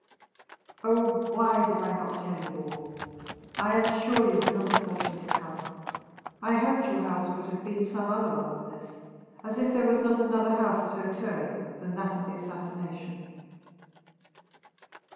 Oh, why did I not tell you all? I am sure you would not have forced me to come. I hoped your house would have been some other one than this; as if there was not another house at Auteuil than that of the assassination!"